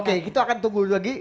oke kita akan tunggu lagi